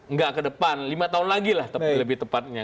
nggak ke depan lima tahun lagi lah lebih tepatnya